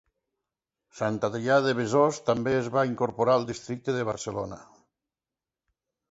Sant Adrià de Besòs també es va incorporar al districte de Barcelona.